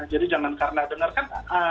jadi jangan karena dengar kan